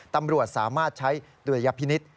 ตำรวจสามารถใช้ดุลยพินิษฐ์